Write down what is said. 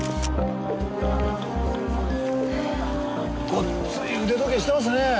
ごっつい腕時計してますねぇ。